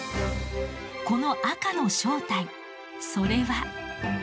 この赤の正体それは。